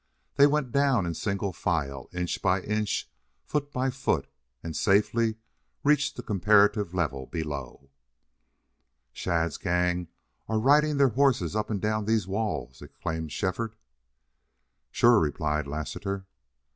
They went down in single file, inch by inch, foot by foot, and safely reached the comparative level below. "Shadd's gang are riding their horses up and down these walls!" exclaimed Shefford. "Shore," replied Lassiter.